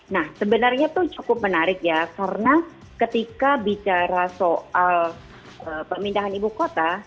nah sebenarnya itu cukup menarik ya karena ketika bicara soal pemindahan ibu kota